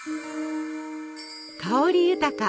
香り豊か！